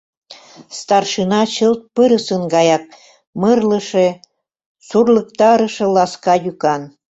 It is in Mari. Старшина чылт пырысын гаяк мырлыше, сурлыктарыше ласка йӱкан.